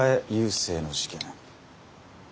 聖の事件